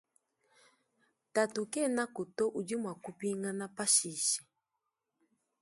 Tatu kenaku to udi muakupingana pashishe.